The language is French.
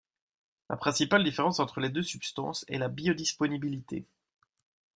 La principale différence entre les deux substances est la biodisponibilité.